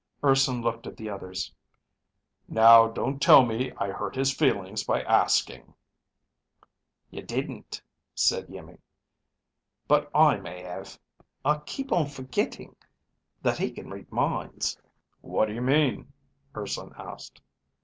Urson looked at the others. "Now don't tell me I hurt his feelings by asking." "You didn't," said Iimmi, "but I may have. I keep on forgetting that he can read minds." "What do you mean?" Urson asked.